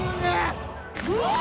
・うわ！